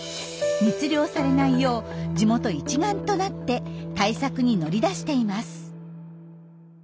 密漁されないよう地元一丸となって対策に乗り出しています。